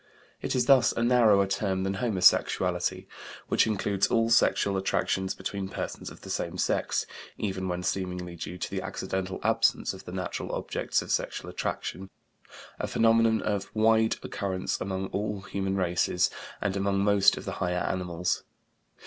It is thus a narrower term than homosexuality, which includes all sexual attractions between persons of the same sex, even when seemingly due to the accidental absence of the natural objects of sexual attraction, a phenomenon of wide occurrence among all human races and among most of the higher animals.